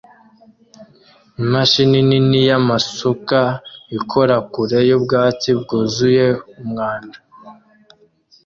Imashini nini yamasuka ikora kure yubwubatsi bwuzuye umwanda